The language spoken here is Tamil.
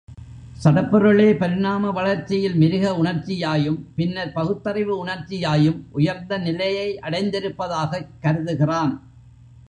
சடப் பொருளே பரிணாம வளர்ச்சியில் மிருக உணர்ச்சியாயும், பின்னர் பகுத்தறிவு உணர்ச்சியாயும் உயர்ந்த நிலையை அடைந்திருப்பதாகச் கருதுகிறான்.